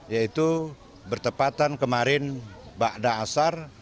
yaitu bertepatan kemarin bakda asar